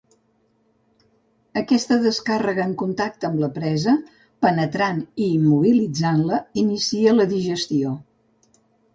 Aquesta descàrrega en contacte amb la presa, penetrant i immobilitzant-la, inicia la digestió.